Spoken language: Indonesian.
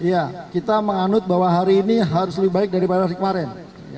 ya kita menganut bahwa hari ini harus lebih baik daripada hari kemarin